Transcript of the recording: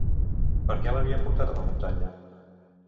Per què l'havien portat a la muntanya?